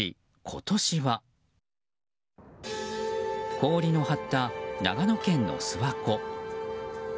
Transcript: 氷の張った長野県の諏訪湖。